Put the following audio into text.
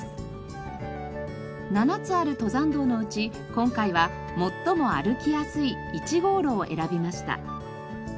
７つある登山道のうち今回は最も歩きやすい１号路を選びました。